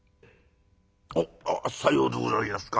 「あっさようでございますか。